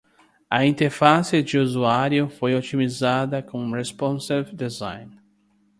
A interface de usuário foi otimizada com Responsive Design.